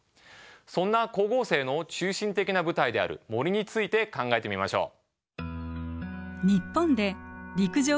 そんな光合成の中心的な舞台である森について考えてみましょう。